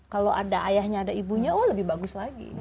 kalau ada ayahnya ada ibunya oh lebih bagus lagi